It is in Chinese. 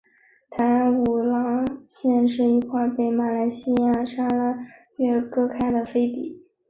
淡武廊县是一块被马来西亚砂拉越割开的飞地。